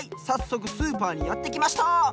さっそくスーパーにやってきました！